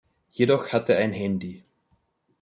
Jedoch hat er ein Handy.